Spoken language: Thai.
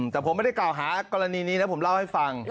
แต่ผมไม่ได้กล่าวหากรณีนี้นะผมเล่าให้ฟัง